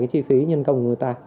cái chi phí nhân công của người ta